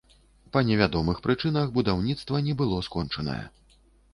Па невядомых прычынах будаўніцтва не было скончанае.